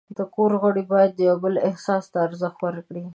د کور غړي باید د یو بل احساس ته ارزښت ورکړي.